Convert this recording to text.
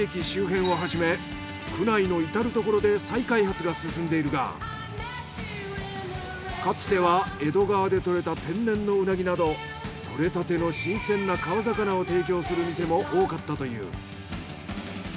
周辺をはじめ区内のいたるところで再開発が進んでいるがかつては江戸川で獲れた天然のウナギなど獲れたての新鮮な川魚を提供する店も多かったという。